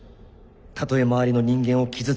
たとえ周りの人間を傷つけたとしても。